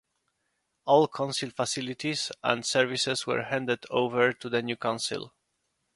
All council facilities and services were handed over to the new council.